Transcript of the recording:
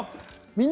「みんな！